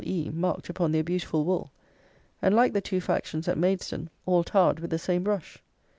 E. marked upon their beautiful wool; and, like the two factions at Maidstone, all tarred with the same brush.